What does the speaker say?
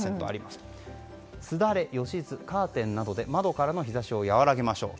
すだれ、よしず、カーテンなどで窓からの日差しを和らげましょう。